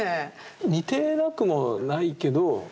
似てなくもないけど。